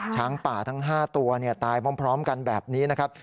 ช้างป่าทั้ง๕ตัวตายพร้อมกันแบบนี้นะครับ